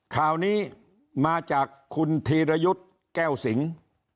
ข่าวนี้มาจากคุณธีรยุทธ์แก้วสิง